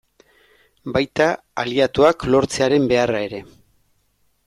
Baita, aliatuak lortzearen beharra ere.